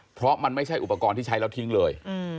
เพราะมันไม่ใช่อุปกรณ์ที่ใช้แล้วทิ้งเลย